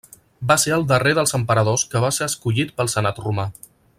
Va ser el darrer dels emperadors que va ser escollit pel senat romà.